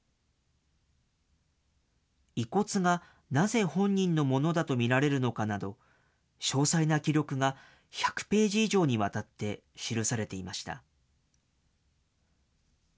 遺骨がなぜ本人のものだと見られるのかなど、詳細な記録が１００ページ以上にわたって記されていました。